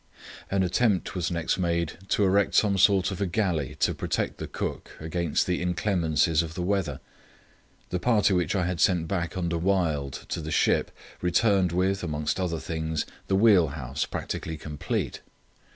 An attempt was next made to erect some sort of a galley to protect the cook against the inclemencies of the weather. The party which I had sent back under Wild to the ship returned with, amongst other things, the wheel house practically complete.